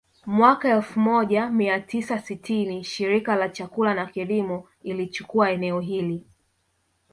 Mwaka elfu moja mia tisa sitini Shirika la Chakula na Kilimo ilichukua eneo hili